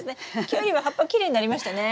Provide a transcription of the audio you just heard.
キュウリは葉っぱきれいになりましたね。